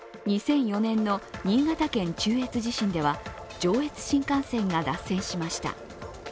２００４年の新潟県中越地震では、上越新幹線が脱線しました。